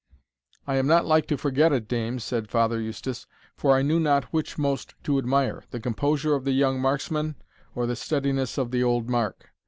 "I am not like to forget it, dame," said Father Eustace; "for I knew not which most to admire, the composure of the young marksman, or the steadiness of the old mark.